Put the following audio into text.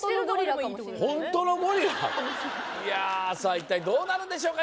一体どうなるんでしょうか？